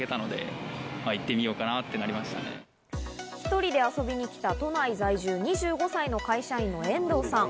１人で遊びに来た、都内在住２５歳の会社員・遠藤さん。